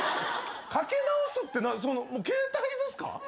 かけ直すって携帯ですか？